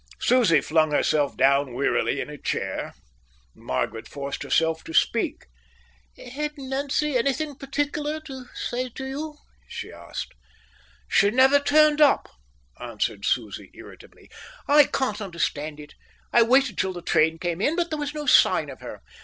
Susie flung herself down wearily in a chair. Margaret forced herself to speak. "Had Nancy anything particular to say to you?" she asked. "She never turned up," answered Susie irritably. "I can't understand it. I waited till the train came in, but there was no sign of her.